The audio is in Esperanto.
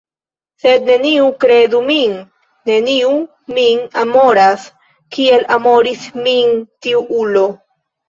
Sed neniu, kredu min, neniu min amoras kiel amoris min tiu ulo.